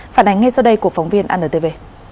phản ánh ngay sau đây của phóng viên anntv